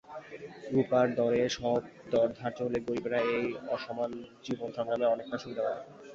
রূপার দরে সব দর ধার্য হলে গরীবরা এই অসমান জীবনসংগ্রামে অনেকটা সুবিধা পাবে।